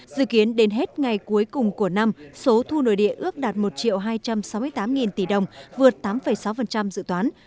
dự kiến đến hết ngày cuối cùng của năm số thu nội địa ước đạt một hai trăm sáu mươi tám tỷ đồng vượt tám sáu dự toán